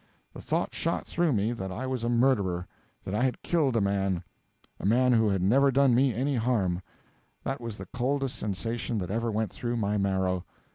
The thought shot through me that I was a murderer; that I had killed a man a man who had never done me any harm. That was the coldest sensation that ever went through my marrow.